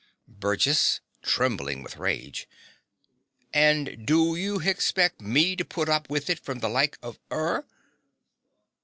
BURGESS (trembling with rage). And do you hexpec me to put up with it from the like of 'ER?